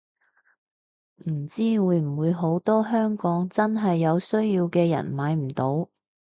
唔知會唔會好多香港真係有需要嘅人買唔到